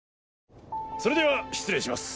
それでは失礼します。